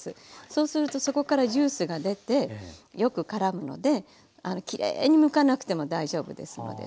そうするとそこからジュースが出てよく絡むのできれいにむかなくても大丈夫ですので。